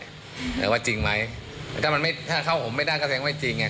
แต่ว่าจริงไหมถ้าเข้าผมไม่ได้ก็แสดงว่าไม่จริงเนี่ย